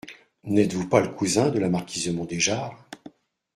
N’êtes-vous pas le cousin de la marquise de Mondéjar !